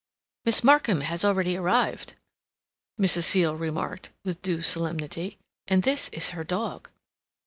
"Miss Markham has already arrived," Mrs. Seal remarked, with due solemnity, "and this is her dog."